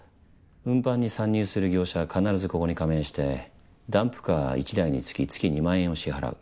運搬に参入する業者は必ずここに加盟してダンプカー１台につき月２万円を支払う。